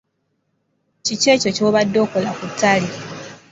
Kiki ekyo ky'obadde okola ku ttale?